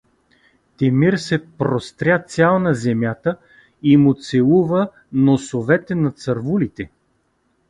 Темир се простря цял на земята и му целува носовете на цървулите.